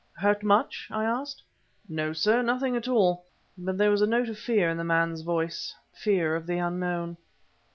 "Hurt much?" I asked. "No, sir! nothing at all." But there was a note of fear in the man's voice fear of the unknown.